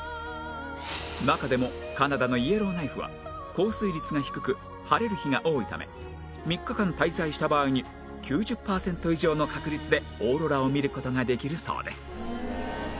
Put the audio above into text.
中でもカナダのイエローナイフは降水率が低く晴れる日が多いため３日間滞在した場合に９０パーセント以上の確率でオーロラを見る事ができるそうです